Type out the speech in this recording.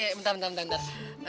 eh bentar bentar bentar